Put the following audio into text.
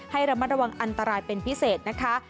ให้ระมัดระวังอันตรายเป็นพิเศษนะคะ